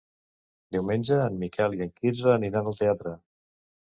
Diumenge en Miquel i en Quirze aniran al teatre.